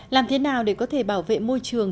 làm thế nào để có thể bảo vệ môi trường